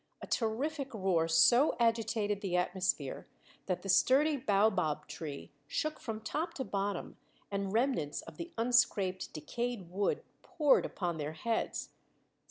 A terrific roar so agitated the atmosphere that the sturdy baobab tree shook from top to bottom and remnants of the unscraped decayed wood poured upon their heads.